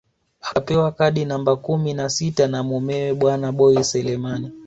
Akapewa kadi namba kumi na sita na mumewe bwana Boi Selemani